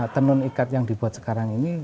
tenun ikat yang dibuat sekarang ini